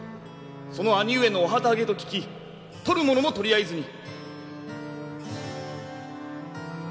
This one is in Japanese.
その兄上のお旗揚げと聞き取るものも取りあえずに。